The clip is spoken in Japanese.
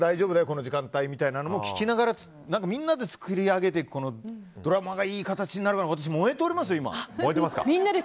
この時間帯みたいなのも聞きながらみんなで作り上げていくドラマがいい形になればと私燃えております、今。